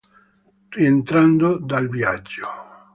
Rientrando dal viaggio.